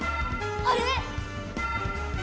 あれ！